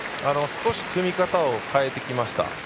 少し組み方を変えてきました。